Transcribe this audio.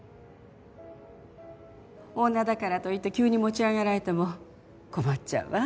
女だからといって急に持ち上げられても困っちゃうわ。